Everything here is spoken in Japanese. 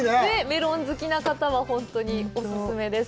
メロン好きな方には本当にオススメです。